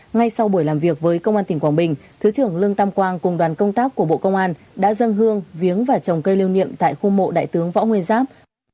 ngay sau buổi làm việc với công an tỉnh quảng bình thứ trưởng lương tam quang cùng đoàn công tác của bộ công an đã dâng hương viếng và trồng cây lưu niệm tại khu mộ đại tướng võ nguyên giáp